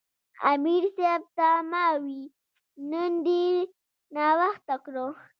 امیر صېب ته ما وې " نن دې ناوخته کړۀ "